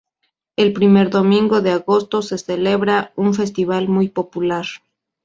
El primer domingo de agosto se celebra un festival muy popular.